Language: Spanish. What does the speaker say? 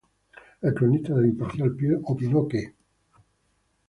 El cronista de "Imparcial Film" opinó que